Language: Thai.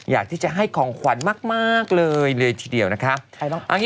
อยากที่จะให้ของขวัญมากเลยเลยทีเดียวนะคะ